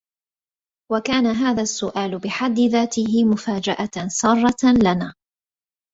وكان هذا السؤال بحد ذاته مفاجأة سارة لنا